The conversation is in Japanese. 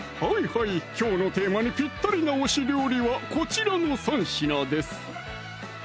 はいきょうのテーマにぴったりな推し料理はこちらの３品です